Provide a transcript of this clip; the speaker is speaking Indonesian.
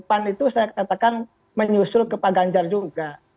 pan itu saya katakan menyusul ke pak ganjar juga